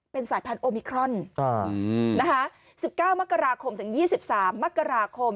เป็นสายพันธุมิครอน๑๙มกราคมถึง๒๓มกราคม